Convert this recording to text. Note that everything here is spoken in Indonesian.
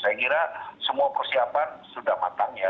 saya kira semua persiapan sudah matang ya